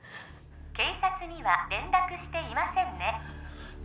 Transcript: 警察には連絡していませんね？